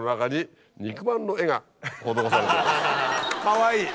かわいい。